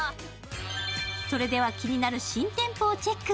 それでは、気になる新店舗をチェック。